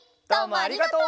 ありがとう。